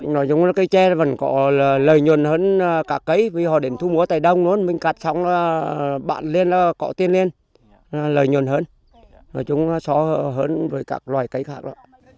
lời nhuận hơn cả cây vì họ đến thu múa tại đông luôn mình cắt xong bạn lên cọ tiên lên lời nhuận hơn nói chung xóa hơn với các loài cây khác đó